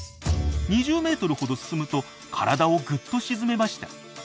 ２０メートルほど進むと体をぐっと沈めました。